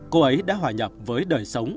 cô ấy đã hòa nhập với đời sống